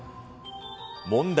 問題。